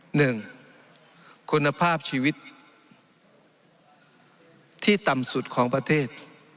หนึ่งคุณภาพชีวิตที่ต่ำสุดของประเทศ